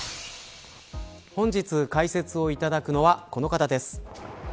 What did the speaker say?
本日解説をいただくのはこの方です。